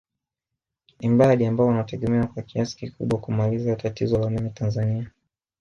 Ni mradi ambao unategemewa kwa kiasi kikubwa kumaliza tatizo la umeme Tanzania